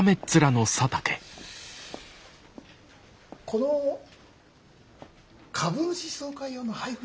この株主総会用の配付